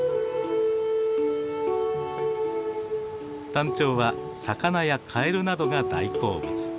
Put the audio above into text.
タンチョウは魚やカエルなどが大好物。